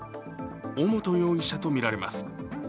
尾本容疑者とみられます。